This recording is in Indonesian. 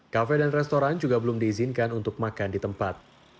kafe dan restoran juga belum diizinkan untuk makan di tempat